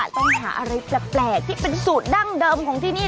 ต้องหาอะไรแปลกที่เป็นสูตรดั้งเดิมของที่นี่